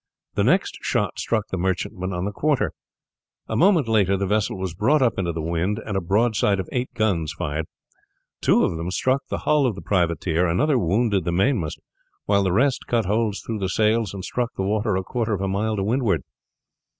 The next shot struck the merchantman on the quarter. A moment later the vessel was brought up into the wind and a broadside of eight guns fired. Two of them struck the hull of the privateer, another wounded the mainmast, while the rest cut holes through the sails and struck the water a quarter of a mile to windward.